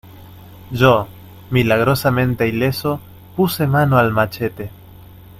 yo, milagrosamente ileso , puse mano al machete: